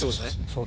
「そう。